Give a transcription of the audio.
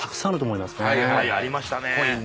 ありましたね。